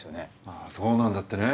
あそうなんだってね。